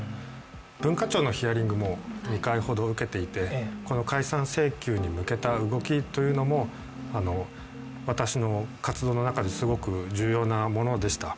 文化庁のヒアリングも２回ほど受けていて、この解散請求に向けた動きというのも私の活動の中ですごく重要なものでした。